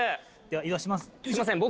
では移動します。